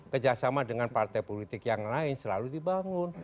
kerjasama dengan partai politik yang lain selalu dibangun